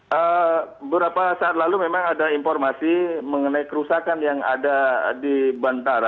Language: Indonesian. beberapa saat lalu memang ada informasi mengenai kerusakan yang ada di bandara